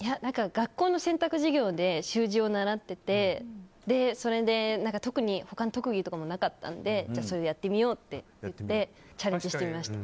学校の選択授業で習字を習っててそれで特に他に特技とかもなかったのでそれでやってみようってチャレンジしてみました。